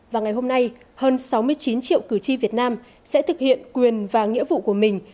và ngày hôm nay hơn sáu mươi chín triệu cử tri việt nam sẽ thực hiện quyền và nghĩa vụ của mình